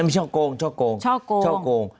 ชอบโกง